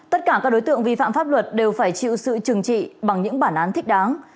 tất cả các đối tượng vi phạm pháp luật đều phải chịu sự trừng trị bằng những bản án thích đáng